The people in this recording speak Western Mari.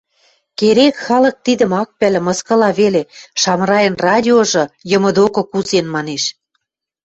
— Керек, халык тидӹм ак пӓлӹ, мыскыла веле, «Шамрайын радиожы йымы докы кузен», — манеш.